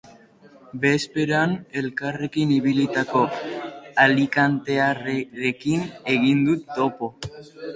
Bezperan elkarrekin ibilitako alikantearrerekin egin dut topo.